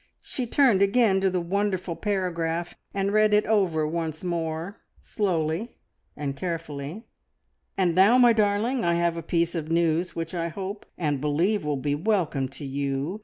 She turned again to the wonderful paragraph, and read it over once more slowly and carefully. "And now, my darling, I have a piece of news, which I hope and believe will be welcome to you.